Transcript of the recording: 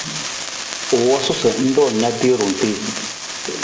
U wosu sa ng roon na tarung tii.